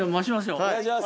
お願いします！